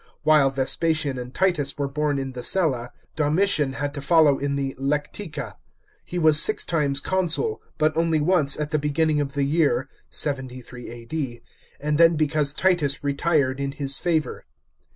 While Vespasian and Titus were borne in ihe «etfa. Domitian had to follow in the lectica. He was six times consul, but only once at the bevinning of the year (73 A.D ), and then because Titus retired in his favour.